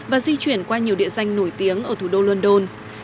và di chuyển qua nhiều địa danh nổi tiếng ở thủ đô london